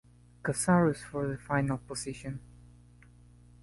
Kozoriz for the final position.